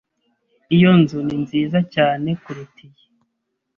Iyo nzu ni nziza cyane kuruta iyi.